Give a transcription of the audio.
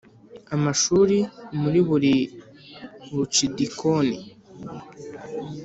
amashuri muri buri bucidikoni